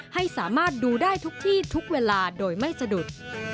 ให้สามารถดูได้ทุกที่ทุกเวลาโดยไม่สะดุด